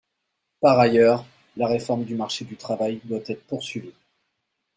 Par ailleurs, la réforme du marché du travail doit être poursuivie.